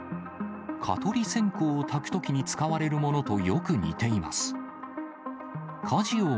蚊取り線香をたくときに使われるものと、よく似ています。